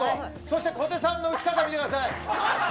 小手さんの打ち方を見てください。